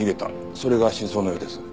それが真相のようです。